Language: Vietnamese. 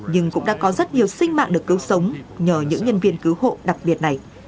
nhưng cũng đã có rất nhiều sinh mạng được cứu sống nhờ những nhân viên cứu hộ đặc biệt này